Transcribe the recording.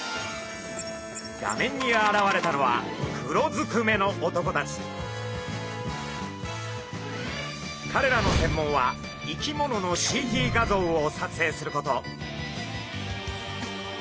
画面に現れたのはかれらの専門は生き物のＣＴ画像を撮影すること。